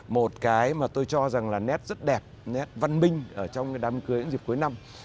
một cái mà tôi cho rằng là nét rất đẹp nét văn minh ở trong cái đám cưới những dịp cuối năm